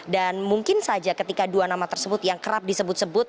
mungkin saja ketika dua nama tersebut yang kerap disebut sebut